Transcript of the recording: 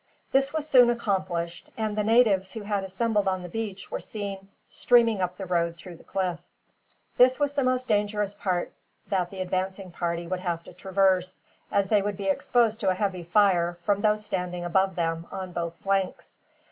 This was soon accomplished, and the natives who had assembled on the beach were seen, streaming up the road through the cliff. This was the most dangerous part that the advancing party would have to traverse, as they would be exposed to a heavy fire, from those standing above them, on both flanks.